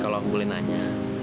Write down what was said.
kalau aku boleh nanya